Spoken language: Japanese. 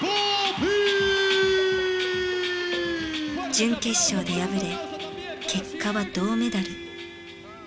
準決勝で敗れ結果は銅メダル。